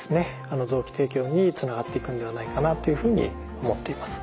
臓器提供につながっていくんではないかなっていうふうに思っています。